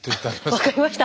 分かりました。